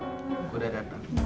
aku udah datang